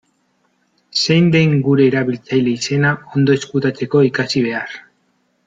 Zein den gure erabiltzaile-izena ondo ezkutatzeko, ikasi behar.